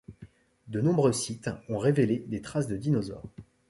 De nombreux sites ont révélés des traces de dinosaures.